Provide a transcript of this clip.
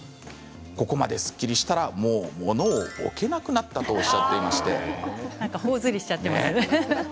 ここまですっきりしたらもう、ものを置けなくなったとほおずりしちゃっていますね。